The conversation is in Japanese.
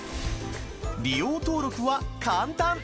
利用登録は簡単！